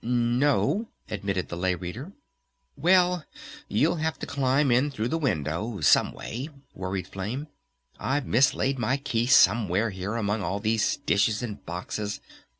"No," admitted the Lay Reader. "Well, you'll have to climb in through the window someway," worried Flame. "I've mislaid my key somewhere here among all these dishes and boxes.